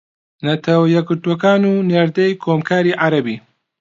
نەتەوە یەکگرتووەکان و نێردەی کۆمکاری عەرەبی